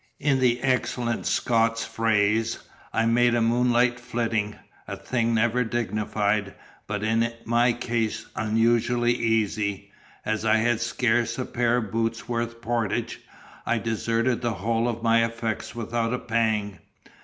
In the excellent Scots' phrase, I made a moonlight flitting, a thing never dignified, but in my case unusually easy. As I had scarce a pair of boots worth portage, I deserted the whole of my effects without a pang.